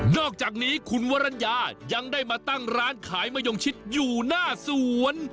อกจากนี้คุณวรรณญายังได้มาตั้งร้านขายมะยงชิดอยู่หน้าสวน